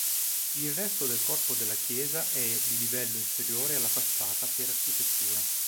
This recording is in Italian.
Il resto del corpo della chiesa è di livello inferiore alla facciata per architettura.